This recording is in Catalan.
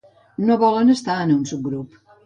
No volem estar en un subgrup.